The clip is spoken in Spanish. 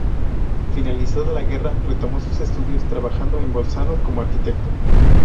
Finalizada la guerra retomó sus estudios, trabajando en Bolzano como arquitecto.